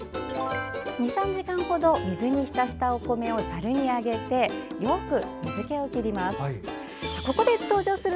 ２３時間ほど水に浸したお米をざるに上げてよく水けを切ります。